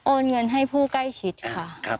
เงินให้ผู้ใกล้ชิดค่ะ